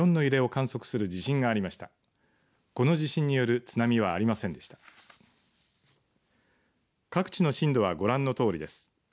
各地の震度はご覧のとおりです。